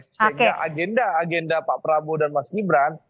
sehingga agenda agenda pak prabowo dan mas gibran